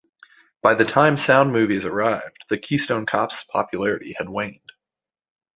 By the time sound movies arrived, the Keystone Cops' popularity had waned.